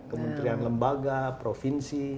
kementerian lembaga provinsi